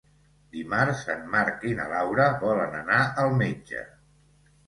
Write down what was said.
Dimarts en Marc i na Laura volen anar al metge.